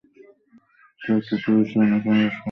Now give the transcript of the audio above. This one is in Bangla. চলচ্চিত্রটি পরিচালনা করেছেন রাজকুমার সান্তোষি।